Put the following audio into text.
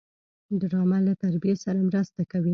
ډرامه له تربیې سره مرسته کوي